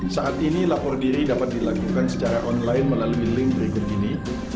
saat ini lapor diri dapat dilakukan secara online melalui link berikut ini